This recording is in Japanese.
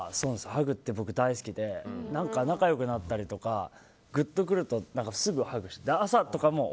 ハグって僕、大好きで仲良くなったりとかグッとくるとすぐハグしちゃう。